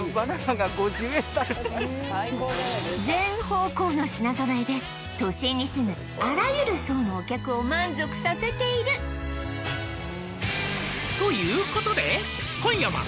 品揃えそしたらで都心に住むあらゆる層のお客を満足させている「ということで今夜は」